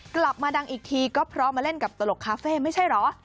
กลับมาดังอีกทีก็เพราะมาเล่นกับตลกคาเฟ่ไม่ใช่เหรอ